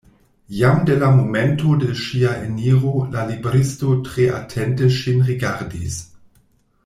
Jam de la momento de ŝia eniro la libristo tre atente ŝin rigardis.